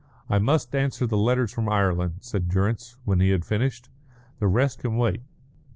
"I must answer the letters from Ireland," said Durrance, when he had finished. "The rest can wait."